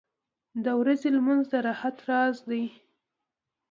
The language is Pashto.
• د ورځې لمونځ د راحت راز دی.